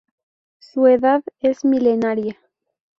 Su edad es milenaria.